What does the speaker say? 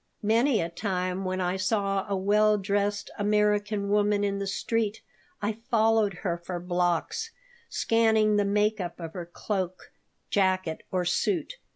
Many a time when I saw a well dressed American woman in the street I followed her for blocks, scanning the make up of her cloak, jacket, or suit.